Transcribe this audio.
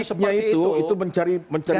logiknya itu mencari pembenaran